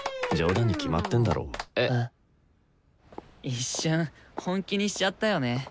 一瞬本気にしちゃったよね。